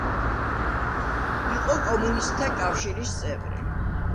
იყო კომუნისტთა კავშირის წევრი.